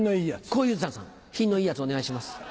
小遊三さん品のいいやつお願いします。